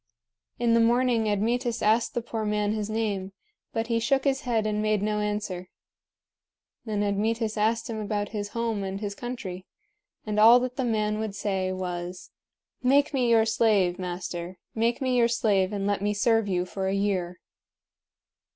In the morning Admetus asked the poor man his name, but he shook his head and made no answer. Then Admetus asked him about his home and his country; and all that the man would say was: "Make me your slave, master! Make me your slave, and let me serve you for a year."